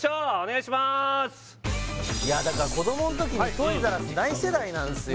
いやだから子どもの時にトイザらスない世代なんですよ